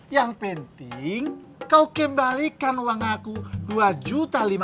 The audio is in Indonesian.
yang penting kau kembalikan uang aku rp dua lima ratus